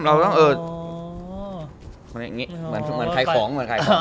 เหมือนขายของ